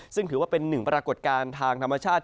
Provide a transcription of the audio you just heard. ซึ่งถือว่าเป็นหนึ่งปรากฏการณ์ทางธรรมชาติ